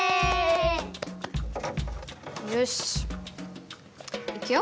よしいくよ？